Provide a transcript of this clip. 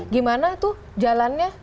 gimana tuh jalannya